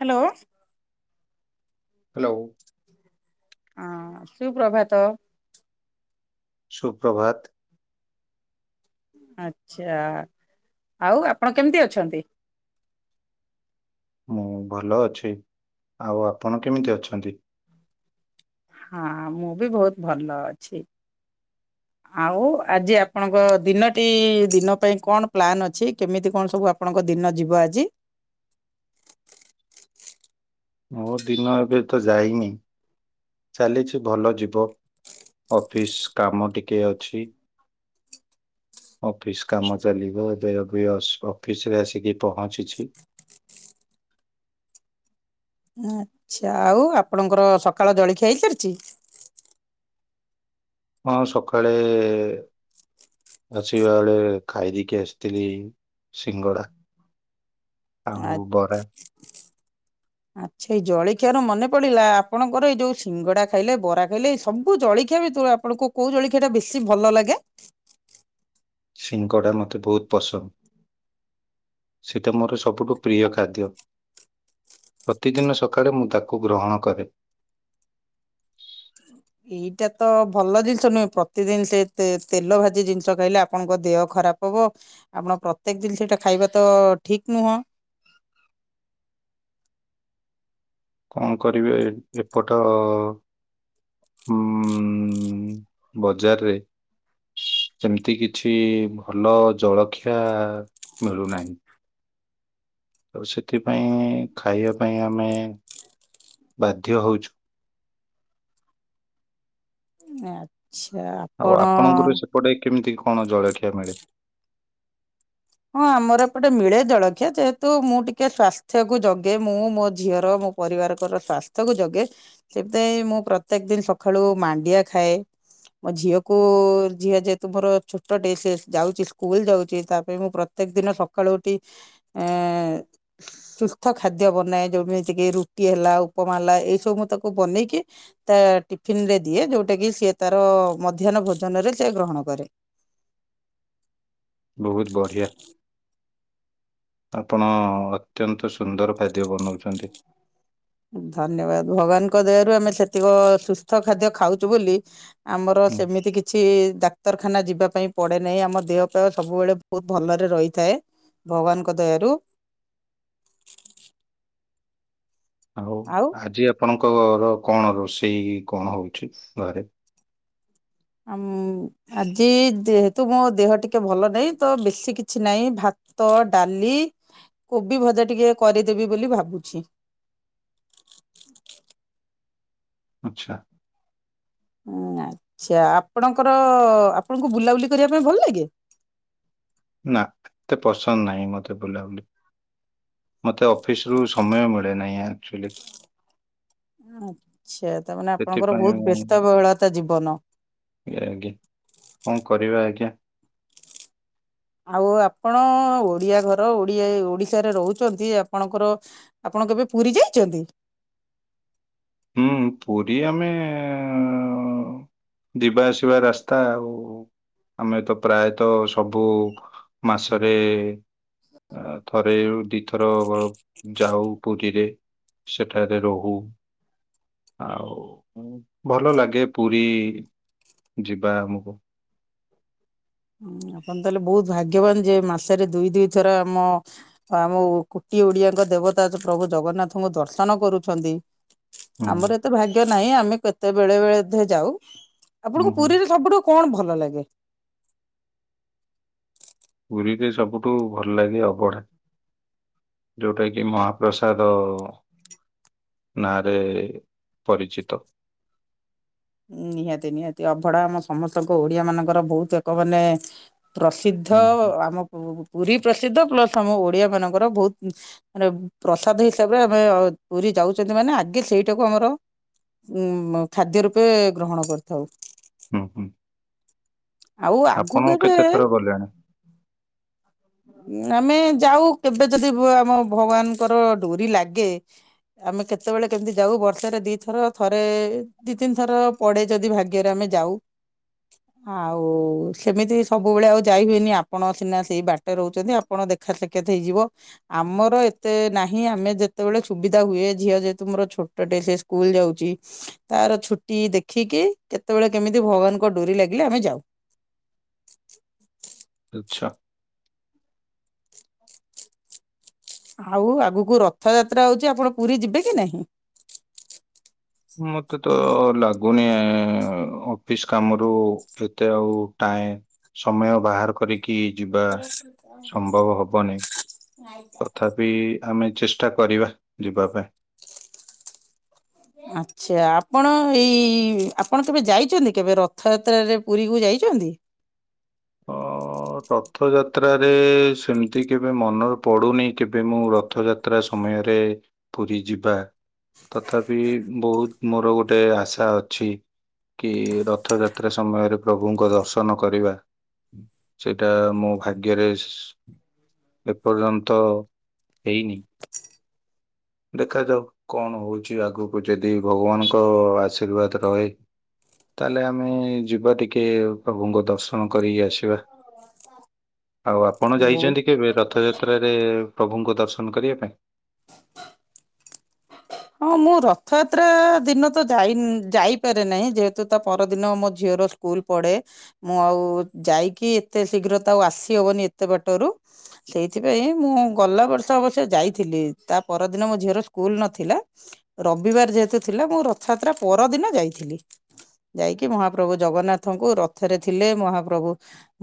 Hello. Hello. ହଁ ସୁପ୍ରଭାତ। ସୁପ୍ରଭାତ। ଆଛା ଆଉ ଆପଣ କେମିତି ଅଛନ୍ତି? ମୁଁ ଭଲ ଅଛି, ଆଉ ଆପଣ କେମିତି ଅଛନ୍ତି? ହଁ ମୁଁ ବି ବହୁତ ଭଲ ଅଛି। ଆଉ ଆଜି ଆପଣଙ୍କ ଦିନଟି ଦିନ ପାଇଁ କଣ ପ୍ଲାନ୍ ଅଛି କେମିତି କଣ ସବୁ ଆପଣଙ୍କ ଦିନ ଯିବ ଆଜି। ମୋ ଦିନ ଏବେ ତ ଯାଇନି ଚାଲିଛି ଭଲ ଯିବ। ଅଫିସ୍ କାମ ଟିକେ ଅଛି। [inaudible] ଅଫିସ କାମ ଚାଲିବ ଏବେ ବି ଅଫିସ ରେ ଆସିକି ପହଞ୍ଚିଛି। [inaudible] ଆଚ୍ଛା ଆଉ ଆପଣଙ୍କର ସକାଳ ଜଳଖିଆ ହେଇସାରିଛି? ହଁ, ସକାଳେ। ଆସିବା ବେଳେ ଖାଇଦେଇକି ଆସିଥିଲି ସିଙ୍ଗଡା। ଆଚ୍ଛା ଏଇ ଜଳ ଖିଆରୁ ମନେ ପଡ଼ିଲା! ଆପଣଙ୍କର ଏଇଯୋଉ ସିଙ୍ଗଡ଼ା ଖାଇଲେ, ବରା ଖାଇଲେ ଏ ସବୁ ଜଳଖିଆ ଭିତରୁ ଆପଣଙ୍କୁ କୋଉ ଜଳ ଜଳଖିଆଟା ବେଶୀ ଭଲ ଲାଗେ? ସିଙ୍ଗଡା ମୋତେ ବହୁତ ପସନ୍ଦ। ସେଟା ମୋର ସବୁଠୁ ପ୍ରିୟ ଖାଦ୍ୟ। ପ୍ରତିଦିନ ସକାଳେ ମୁଁ ତାକୁ ଗ୍ରହଣ କରେ। ହଁ। ଏଇଟା ତ ଭଲ ଜିନିଷ ନୁହେଁ। ପ୍ରତିଦିନ ସେ ତେଲରେ ଭଜା ଜିନିଷ ଖାଇଲେ ଆପଣଙ୍କ ଦେହ ଖରାପ ଖରାପ ହେବ। ଆପଣ ପ୍ରତ୍ୟେକ ଜିନିଷତା ଖାଇବା ତ ଠିକ୍ ନୁହେଁ। [inaudible] କଣ କରିବି ଏପଟ ଉଁ ବଜାରରେ ସେମିତି କିଛି ଭଲ ଜଳଖିଆ ମିଳୁନାହିଁ। ଆଉ ସେଥିପାଇଁ ଖାଇବା ପାଇଁ ଆମେ ବାଧ୍ୟ ହଉଛୁ। ଆଁ। ଆଉ ଆପଣଙ୍କର ସେପଟେ କେମିତି କଣ ଜଳଖିଆ ମିଳେ? ହଁ, ଆମ ଏପଟେ ଜଳଖିଆ ସହଜରେ ମିଳେ। ଯେହେତୁ ମୁଁ ଟିକେ ସ୍ୱାସ୍ଥ୍ୟକୁ ଜଗେ, ମୁଁ ମୋ ଝିଅର ମୋ ପରିବାରର ସ୍ୱାସ୍ଥ୍ୟକୁ ଜଗେ, ସେଥିପାଇଁ ମୁଁ ପ୍ରତିଦିନ ସକାଳୁ ମାଣ୍ଡିଆ ଖାଏ। ମୋ ଝିଅକୁ ଝିଅ ଯେହେତୁ ମୋର ଛୋଟଟେ ସେ ଯାଉଛି ସ୍କୁଲ ଯାଉଛି ତାକୁ ସେଇଥପାଇଁ ମୁଁ ପ୍ରତ୍ୟେକ ଦିନ ସକାଳୁ ଉଠି [unintelligible] ସୁସ୍ଥ ଖାଦ୍ୟ ବନାଏ, ଯୋଉଥି ପାଇଁ କି ରୁଟି ହେଲା, ଉପମା ହେଲା ଏଇସବୁ ମୁଁ ତାକୁ ବନେଇକି ତା ଟିଫିନରେ ଦେଇଦିଏ ଯୋଉଟାକୁ ସିଏ ସେ ତାର ମଧ୍ୟାହ୍ନ ଭୋଜନରେ ସେ ଗ୍ରହଣ କରେ। ବହୁତ ବଢିଆ ଆପଣ ଅତ୍ୟନ୍ତ ସ ଧନ୍ୟବାଦ, ଭଗବାନଙ୍କ ଦୟାରୁ ଆମେ ସେତିକି ସୁସ୍ଥ ଖାଦ୍ୟ ଖାଉଛୁ ବୋଲି ଆମର ହୁଁ, ସେମିତି କିଛି ଡାକ୍ତର ଖାନାକୁ ବାରମ୍ବାର ଯିବାପାଇଁ ପଡ଼େ ନାହିଁ। ଆମ ଦେହ ଫେଅ ସବୁବେଳେ ଭଲରେ ରହିଥାଏ। ଭଗବାନଙ୍କ ଦୟାରୁ। ଆଉ ଆଜି ଆପଣଙ୍କର କଣ ରୋଷେଇ କଣ ହଉଛି ଘରେ? ଆଜି ଯେହେତୁ ମୋ ଦେହ ଟିକେ ଭଲ ନାହିଁ, ତ ବେଶୀ କିଛି ଖାଇବି ନାହିଁ, ଭା ତ, ଡାଲି ଆଉ କୋବି ଭଜା ଟିକେ କରିଦେବି ବୋଲି ଭାବୁଛି। ହଁ। ଆଚ୍ଛା। ହଁ ଆଚ୍ଛା ଆପଣଙ୍କର ଆପଣଙ୍କୁ ବୁଲାବୁଲି କରିବା ପାଇଁ ଭଲ ଲାଗେ? [inaudible] ନା, ଏତେ ପସନ୍ଦ ନାହିଁ ମତେ ବୁଲାବୁଲି ମୋତେ ଅଫିସରୁୁ ସମୟ ମିଳେ ନାହିଁ ଆକଚୁଆଲି। ଆଛା ତା ମାନୋ ଆପଣଙ୍କର ସେଥିପାଇଁ ବହୁତ ମୁଁ ବ୍ୟସ୍ତ ବହୁଳତା ଜୀବନ। ଆଜ୍ଞା କଣ କରିବା ଆଜ୍ଞା। ଆଉ ଆପଣ ତ ଓଡ଼ିଆ ଘରର, ଓଡ଼ିଶାରେ ରହୁଛନ୍ତି। ଆପଣଙ୍କର ଆପଣ ଆପଣ କେବେ ପୁରୀ ଯାଇଛନ୍ତି? ହୁଁ ପୁରୀ ଆମେ ଯିବା ଆସିବା ରାସ୍ତା ଆଉ। ଆମେ ତ ପ୍ରାୟତଃ ସବୁ ମାସରେ ଥରେ କିମ୍ବା ଦିଥର ଯାଉ, ପୁରୀରେ ସେଠାରେ ହିଁ ରହୁ। ଆଉ ମୋତେ ଭଲ ଲାଗେ ପୁରୀ ଯିବା ଆମକୁ ଉଁ ଆପଣ ତାହେଲେ ବୋହୁତ ଭାଗ୍ୟବାନ ଯେ ମାସରେ ଦୁଇ ଦୁଇଥର ଆମ ଆମକୁ ଓଡିଆଙ୍କ ଦେବତା ପ୍ରଭୁ ଜଗନ୍ନାଥଙ୍କୁ ଦର୍ଶନ କରୁଛନ୍ତି। ହୁଁ ଆମର ଏତେ ଭାଗ୍ୟ ନାହିଁ ଆମେ କେତେବେଳେ ବେଳେ ଧେ ଯାଉ। ହୁଁ ଆପଣଙ୍କୁ ହୁଁ ପୁରୀରେ ସବୁଠୁ କଣ ଭଲ ଲାଗେ? ପୁରୀରେ ସବୁଠୁ ଭଲଲାଗେ ଅବଢା। ଯୋଉଟା କିି ମହାପ୍ରସାଦ। ନାଁରେ ପରିଚିତ। ନିହାତି ନିହାତି ଅଭଢା ଆମ ସମସ୍ତଙ୍କ ଓଡିଆ ମାନଙ୍କର ବୋହୁତ ଏକ ମାନେ ପ୍ରସିଦ୍ଧ ହୁଁ ହୁଁ ଆମ ପୁ ପୁରୀ ପ୍ରସିଦ୍ଧ ପ୍ଲସ ଆମ ଓଡିଆ ମାନଙ୍କର ବୋହୁତ ମାନେ ପ୍ରସାଦ ହିସାବରେ ଆମେ ପୁରୀ ଯାଉଚନ୍ତି ମାନେ ଆଗେ ସେଇଟାକୁ ଆମର ଉଁ ଖାଦ୍ୟରୁ ପେ ଗ୍ରହଣ କରିଥାଉ। ହୁଁ ହୁଁ। ଆଉ ଆଗୁକୁ ଆପଣ ଏବେ କେତେ ଥର ଗଲେଣି ଆମେ ଯାଉ କେବେ ଯଦି ହୁଏ ଆମ ଭଗବାନଙ୍କର ଡୋରି ଲାଗେ ଆମେ କେତେବେଳେ କେମତି ଯାଉ ବର୍ଷରେ ଦିଥର ଥରେ ଦି ତିନି ଥର ପଡେ ଯଦି ଭାଗ୍ୟରେ ଆମେ ଯାଉ। ଆଉ ସେମିତି ସବୁବେଳେ ଆଉ ଯାଇ ହୁଏନି ଆପଣ ସିନା ସେଇ ବା ରହୁଚନ୍ତି ଆପଣ ଦେଖା ସାକ୍ଷାତ ହେଇଯିବ ଆମର ଏତେ ନାହିଁ ଆମେ ଯେତେବେଳେ ସୁବିଧା ହୁଏ। ଝିଅ ଯେହେତୁ ମୋର ଛୋଟଟେ ସେ ସ୍କୁଲ ଯାଉଚି ତାର ଛୁଟି ଦେଖିକି କେତେବେଳେ କେମ ତି ଭଗବାନଙ୍କ ଡୋରି ଲାଗିଲେ ଆମେ ଯାଉ। ଆଛା। ଆଉ ଆଗକୁ ରଥଯାତ୍ରା ଆଉଚି ଆପଣ ପୁରୀ ଯିବେ କି ନାହିଁ? ମତେ ତ ଲାଗୁନି ଅଫିସ୍ କାମରୁ ଏତେ ଆଉ ଟାଇମ ସମୟ ବାହାର କରିକି ଯିବା ସମ୍ଭବ ହବନି। ତଥାପି ଆମେ ଚେଷ୍ଟା କରିବା ଯିବା ପାଇଁ। ଆଛା ଆପଣ ଏଇ ଆପଣ କେବେ ଯାଇଚନ୍ତି କେବେ ରଥଯାତ୍ରାରେ ପୁରୀକୁ ଯା ଯାଇଚନ୍ତି। ହଁ ତ ରଥଯାତ୍ରାରେ ସେମତି କେବେ ମନର ପଡ଼ୁନେଇ କେବେ ମୁଁ ରଥଯାତ୍ରା ସମୟରେ ପୁରୀ ଯିବା ତଥାପି ବୋହୁତ ମୋର ଗୋଟେ ଆଶା ଅଛି। କି ରଥଯାତ୍ରା ସମୟରେ ପ୍ରଭୁଙ୍କ ଦର୍ଶନ କରିବା। ସେଇଟା ମୋ ଭାଗ୍ୟରେ ସ୍ ଏପର୍ଯ୍ୟନ୍ତ ହେଇନି। ଦେଖାଯାଉ କଣ ହୋଉଚି ଆଗକୁ ଯଦି ଭଗବାନଙ୍କ ଆଶୀର୍ବାଦ ରହେ ତାହେଲେ ଆମେ ଯିବା ଟିକେ ପ୍ରଭୁଙ୍କ ଦର୍ଶ ନ କରିକି ଆସିବା ଆଉ ଆପଣ ବହୁତ ଯାଇଛନ୍ତି କେବେ ରଥଯାତ୍ରାରେ? ପ୍ରଭୁଙ୍କ ଦର୍ଶନ କରିବା ପାଇଁ। ହଁ ମୁଁ ରଥଯାତ୍ରା ଦିନ ତ ଯାଇ ଯାଇପାରେ ନାହିଁ ଯେହେତୁ ତା ପରଦିନ ମୋ ଝିଅ ର ସ୍କୁଲ ପଡ଼େ ମୁଁ ଆଉ ଯାଇକି ଏତେ ଶୀଘ୍ର ତ ଆଉ ଆସି ହବନି ଏତେ ବାଟରୁ ସେଇଥିପାଇଁ ମୁଁ ଗଲା ବର୍ଷ ଅବଶ୍ୟ ଯାଇଥିଲି ତା ପରଦିନ ମୋ ଝିଅର ସ୍କୁଲ ନଥିଲା। ରବିବାର ଯେହେତୁ ଥିଲା ମୁଁ ରଥଯାତ୍ରା ପର ଦିନ ଯାଇଥିଲି। ଯାଇକି ମହାପ୍ରଭୁ ଜଗନ୍ନାଥଙ୍କୁ ରଥରେ ଥିଲେ ମହାପ୍ରଭୁ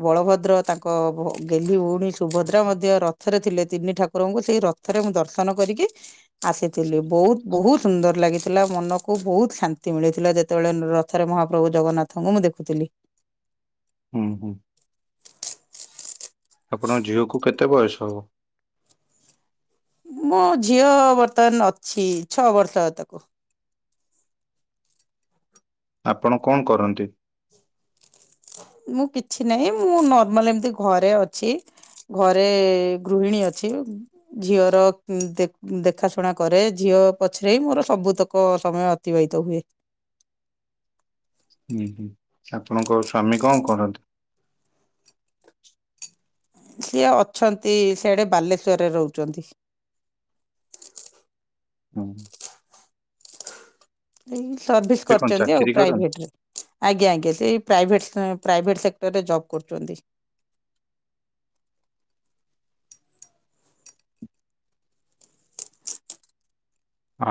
ବଳଭଦ୍ର ତାଙ୍କ ଭୋ ଭୋ ଗେଲହି ଭୋଉଣୀ ସୁଭଦ୍ରା ମଧ୍ୟ ରଥରେ ଥିଲେ ତିନି ଠାକୁରଙ୍କୁ ସେଇ ରଥରେ ମୁଁ ଦର୍ଶନ କରିକି ଆସିଥିଲି ବହୁତ ବୋହୁତ ସୁନ୍ଦର ଲାଗିଥିଲା ମନକୁ ବୋହୁତ ଶାନ୍ତି ମିଳିଥିଲା ଯେତେବେଳେ ରଥରେ ମହାପ୍ରଭୁ ଜଗନ୍ନାଥଙ୍କୁ ମୁଁ ଦେଖୁ ଥିଲି। ଉଁ ହୁଁ। ଆପଣଙ୍କ ଝିଅକୁ କେତେ ବୟସ ହବ? ମୋ ଝିଅ ବର୍ତ୍ତମାନ ଅଛି ଛଅବର୍ଷ ତାକୁ। [inaudible] ଆପଣ କଣ କରନ୍ତି? ମୁଁ କିଛି ନାହିଁ ମୁଁ ନର୍ମାଲ ଏମିତି ଘରେ ଅଛି। ଘରେ ଗୃହିଣୀ ଅଛି, ଝିଅର କ ଉ ଦେଖାଶୁଣା କରେ ଝିଅ ର ପଛରେ ହିଁ ମୋର ସବୁତକ ସମୟ ଅତିବାହିତ ହୁଏ। ହୁଁ ହୁଁ ଆପଣଙ୍କ ସ୍ଵାମୀ କଣ କରନ୍ତି? ସିଏ ଅଛନ୍ତି ସେଆଡେ ବାଲେଶ୍ଵରରେ ରହୁଚନ୍ତି। [inaudible] ହୁଁ। ଏଇ ସର୍ଭିସ ସେ କଣ କରୁଚନ୍ତି ଆଉ ଚାକିରି କରନ୍ତି? ପ୍ରାଇଭେଟରେ ଆଜ୍ଞା ଆଜ୍ଞା ସେଇ ପ୍ରାଇଭେଟ ପ୍ରାଇଭେଟ୍ ସେକ୍ଟରରେ ଜବ୍ କରୁଚନ୍ତି।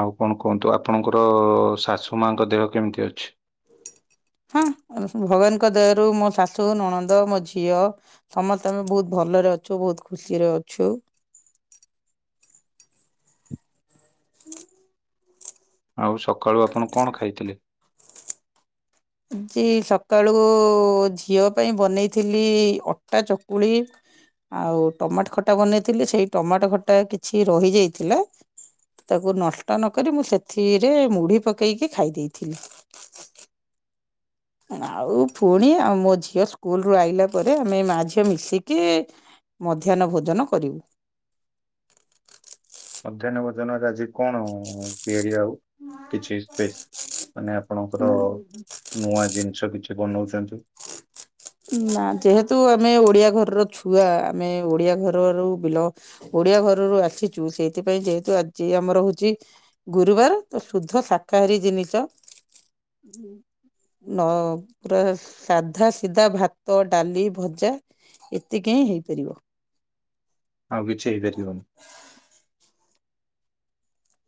ଆଉ କଣ କୁହନ୍ତୁ ଆପଣଙ୍କର ଶାଶୁମାଙ୍କ ଦେହ କେମିତି ଅଛି? [inaudible] ହଁ ଭଗବାନଙ୍କ ଦୟାରୁ ମୋ ଶାଶୁ ନଣନ୍ଦ ମୋ ଝିଅ ସମସ୍ତେ ଆମେ ବହୁତ ଭଲ। ଭଲରେ ଅଛୁ ବହୁତ ଖୁସିରେ ଅଛୁ। [inaudible] ଆଉ ସକାଳୁ ଆପଣ କଣ ଖାଇଥିଲେ? ଆଜି ସକାଳୁ ଝିଅ ପାଇଁ ବନେଇଥିଲି ଅଟା ଚକୁଳି। ଆଉ ଟମାଟ ଖଟା ବନେଇଥିଲି, ସେଇ ଟମାଟ ଖଟା କିଛି ରହିଯାଇଥିଲା ତାକୁ ନଷ୍ଟ ନକରି ମୁଁ ସେଥିରେ ମୁଢି ପକେଇକି ଖାଇ ଦେଇଥିଲି। [inaudible] ଆଉ ପୁଣି ଆଉ ମୋ ଝିଅ ସ୍କୁଲରୁ ଆଇଲା ପରେ ଆମେ ଏ ମା ଝିଅ ମିଶିକି ମଧ୍ୟାହ୍ନ ଭୋଜନ କରିବୁ। ମଧ୍ୟାହ୍ନ ଭୋଜନରେ ଆଜି କଣ? ଏ ହେଇଚି ଆ ଆଉ କିଛି ସ୍ପେସ୍ ମାନେ ଆପଣଙ୍କର ନୂଆ ଜିନିଷ କିଛି ବନଉଚନ୍ତି। ନା ଯେହେତୁ ଆମେ ଓଡିଆ ଘରର ଛୁଆ ଆମେ ଓଡିଆ ଘରରୁ ବିଲ ଡିଆ ଘରରୁ ଆସିଛୁ ସେଇଥିପାଇଁ ଯେହେତୁ ଆଜି ଆମର ହଉଚି ଗୁରୁବାର ସୁଧସାକା ହରି ଜିନିଷ ନ ପୁରା ସାଧା ସିଧା ଭାତ ଡାଲି ଭଜା ଏତିକିହି ହେଇପାରିବ। ଆଉ କିଛି ହେଇପାରିବନି।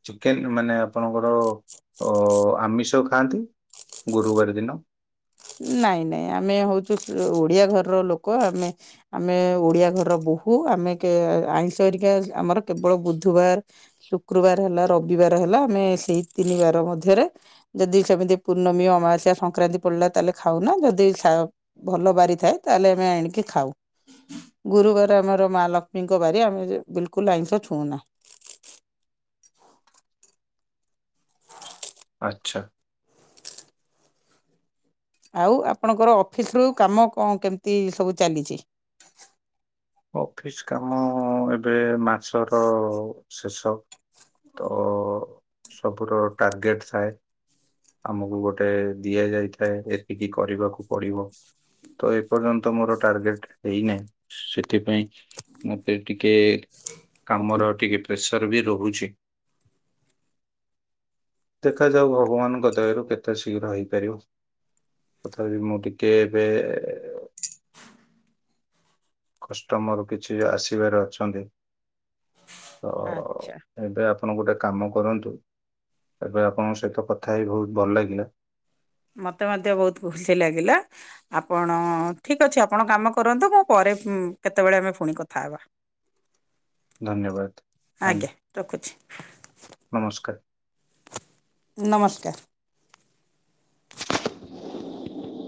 ଚିକେନ ମାନେ ଆପଣଙ୍କର ଅ ଆମିଷ ଖାଆନ୍ତି। ଗୁରୁବାର ଦିନ। ନାଇଁ ନାଇଁ ଆମେ ହଉଚୁ ଓଡିଆ ଘରର ଲୋକ ଆମେ ଆମେ ଓଡିଆ ଘରର ବହୂ ଆମେ ଆଇଷରିକା ଆମର କେବଳ ବୁଧୁବାର ଶୁକ୍ରବାର ହେଲା ରବିବାର ହେଲା, ଆମେ ସେଇ ତିନି ବାର ମଧ୍ୟରେ ଯଦି ସେମିତି ପୂର୍ଣ୍ଣମୀ ଅମାସ୍ୟା ସଂକ୍ରାନ୍ତି ପଡିଲା ତାହେଲେ ଖାଉନା, ଯଦି ସା ଭଲ ବାରିଥାଏ ତାହେଲେ ଆମେ ଆଣିକି ଖାଉ। ଗୁରୁବାର ଆମର ମା ଲକ୍ଷ୍ମୀଙ୍କ ବାରି ଆମେ ବିଲକୁଲ ଆଇଁଷ ଛୁଁଉନା। [inaudible] ଆଚ୍ଛା। ଆଉ ଆପଣଙ୍କର ଅଫିସ ରୁ କାମ କଣ କେମିତି ସବୁ ଚାଲିଚି? ଅଫିସ କାମ ଏବେ ମାସର ଶେଷ ତ ସବୁର ଟାର୍ଗେଟ ଥାଏ। ଆମକୁ ଗୋଟେ ଦିଆ ଯାଇଥାଏ, ଏତିକି କରିବାକୁ ପଡିବ। ତ ଏପର୍ଯ୍ୟନ୍ତ ମୋର ଟାର୍ଗେଟ ହେଇନାହିଁ। ସେଥିପାଇଁ ମତେ ଟିକେ କାମର ଟିକେ ପ୍ରେସର ବି ରହୁଚି। [inaudible] ଦେଖାଯାଉ ଭଗବାନଙ୍କ ଦୟାରୁ କେତେ ଶୀଘ୍ର ହେଇପାରିବ। ତଥାପି ମୁଁ ଟିକେ ଏବେ [inaudible] କଷ୍ଟମର କିଛି ଆସିବାର ଅଛନ୍ତି। ଓ ଆଚ୍ଛା ଏବେ ଆପଣ ଗୋଟେ କାମ କରନ୍ତୁ ତାପ ରେ ଆପଣଙ୍କ ସହିତ କଥା ହେ ବହୁତ ଭଲ ଲାଗିଲା ମତେ ମଧ୍ୟ ବହୁତ ଖୁସି ଲାଗିଲା ଆପଣ ଠିକ ଅଛି ଆପଣ କାମ କରନ୍ତୁ ମୁଁ ପରେ କେତେବେଳେ ଆମେ ପୁଣି କଥା ହେବା। ଧନ୍ୟବାଦ ଆଜ୍ଞା ଥ୍ୟାଙ୍କ ରଖୁଛି। ନମସ୍କାର ନମସ୍କାର। [inaudible]